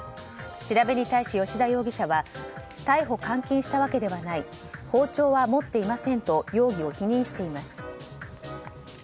調べに対し吉田容疑者は逮捕監禁したわけではない包丁は持っていませんと容疑を否認しています。